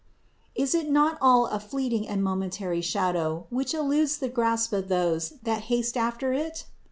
Is it not all a fleeting and momentary shadow, which eludes the grasp of those that haste after it?